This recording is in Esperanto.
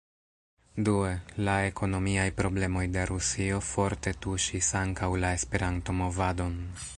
Due, la ekonomiaj problemoj de Rusio forte tuŝis ankaŭ la Esperanto-movadon.